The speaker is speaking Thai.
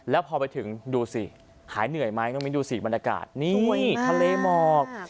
แล้วพอไปถึงดูสิหายเหนื่อยไหมน้องมิ้นดูสิบรรยากาศนี่ทะเลหมอก